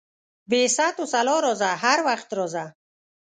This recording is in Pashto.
بې ست وسلا راځه، هر وخت راځه.